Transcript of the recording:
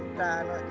đã cố gắng hết mình